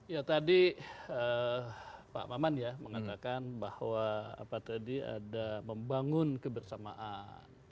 ya tadi pak maman ya mengatakan bahwa apa tadi ada membangun kebersamaan